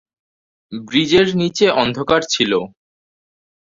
ব্রিজের নিচে অন্ধকার ছিল।